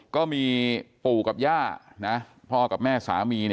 ก็มีปู่กับย่าพ่อกับแม่สามี